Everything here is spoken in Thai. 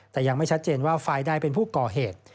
แต่ยังไม่ชัดเจนว่าฝ่ายใดเป็นผู้ก่อเหตุ